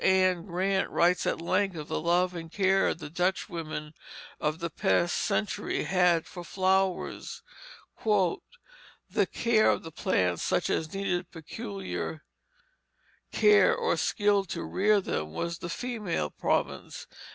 Anne Grant writes at length of the love and care the Dutch women of the past century had for flowers: "The care of plants such as needed peculiar care or skill to rear them, was the female province.